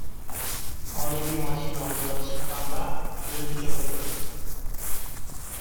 Ал эми машинабызга чыккан да өзүнчө кызык.